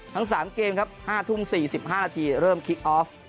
ทั้ง๓เกมครับ๕ทุ่ม๔๕นาทีเริ่มคิกออฟ